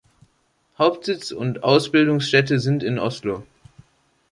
Hauptsitz und Ausbildungsstätte sind in Oslo.